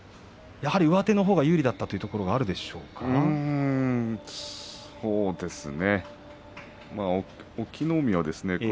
やはり上手のほうが有利だったということがあるでしょうか。